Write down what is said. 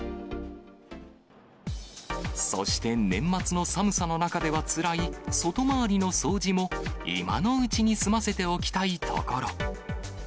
そして年末の寒さの中ではつらい外回りの掃除も、今のうちに済ませておきたいところ。